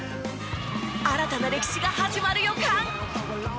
新たな歴史が始まる予感！